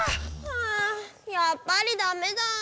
あやっぱりダメだぁ。